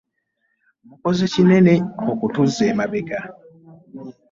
Mukoze kinene okutuzza emabega.